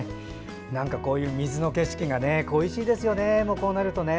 何か、こういう水の景色が恋しいですよね、こうなると。